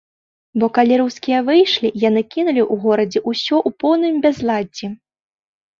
Бо калі рускія выйшлі, яны кінулі ў горадзе ўсё ў поўным бязладдзі.